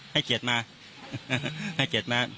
ให้เกียรติมา